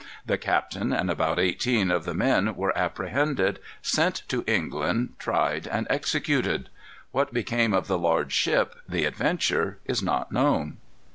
The captain and about eighteen of the men were apprehended, sent to England, tried, and executed. What became of the large ship, the Adventure, is not known.